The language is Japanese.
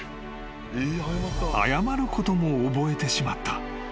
［謝ることも覚えてしまった］